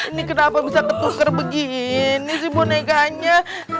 ini kenapa bisa ketukar begini sih bonekanya